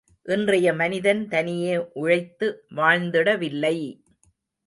இன்றைய மனிதன் தனியே உழைத்து வாழ்ந்திடவில்லை!